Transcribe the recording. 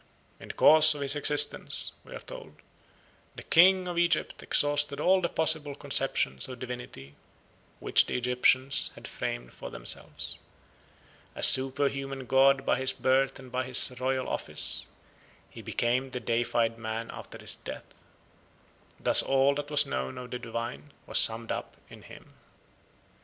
"In the course of his existence," we are told, "the king of Egypt exhausted all the possible conceptions of divinity which the Egyptians had framed for themselves. A superhuman god by his birth and by his royal office, he became the deified man after his death. Thus all that was known of the divine was summed up in him."